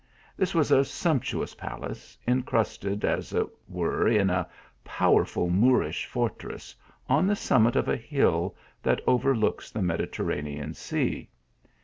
This was a sumptuous palace, in crusted, as it were in a powerful Moorish fortress, on the summit of a hill that overlooks the Mediter ranean sea.